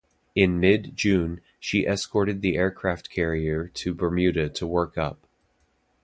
In mid-June, she escorted the aircraft carrier to Bermuda to work up.